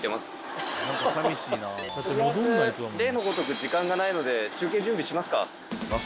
取りあえず例のごとく時間がないので中継準備しますか？